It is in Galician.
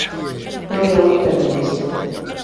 Non é a única entrevista.